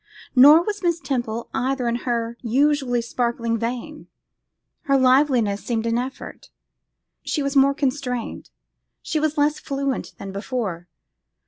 Nor was Miss Temple either in her usually sparkling vein; her liveliness seemed an effort; she was more constrained, she was less fluent than before.